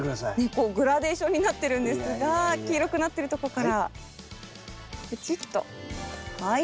こうグラデーションになってるんですが黄色くなってるとこからプチッとはい。